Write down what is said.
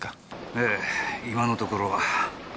ええ今のところ。